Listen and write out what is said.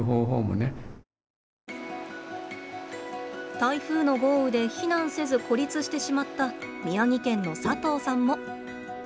台風の豪雨で避難せず孤立してしまった宮城県の佐藤さんも。